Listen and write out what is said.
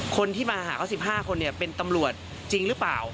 คนที่มาหาเขา๑๕คนเป็นตำรวจจริงหรือเปล่า